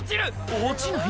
落ちない？